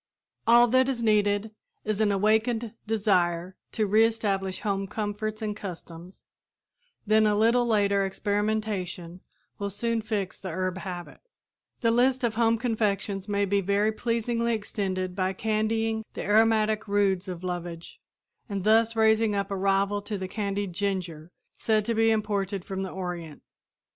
All that is needed is an awakened desire to re establish home comforts and customs, then a little later experimentation will soon fix the herb habit. [Illustration: Transplanting Board and Dibble] The list of home confections may be very pleasingly extended by candying the aromatic roots of lovage, and thus raising up a rival to the candied ginger said to be imported from the Orient.